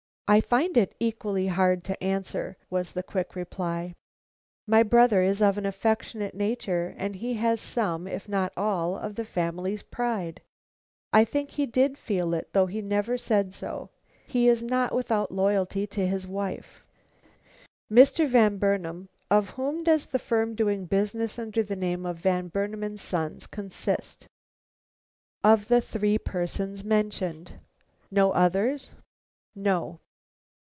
"I find it equally hard to answer," was the quick reply. "My brother is of an affectionate nature, and he has some, if not all, of the family's pride. I think he did feel it, though he never said so. He is not without loyalty to his wife." "Mr. Van Burnam, of whom does the firm doing business under the name of Van Burnam & Sons consist?" "Of the three persons mentioned." "No others?" "No."